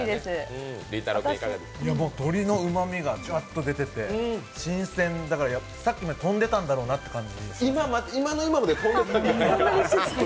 鶏のうまみが、ちゃんと出てて新鮮だから、さっきまで飛んでたんだろうなって感じ。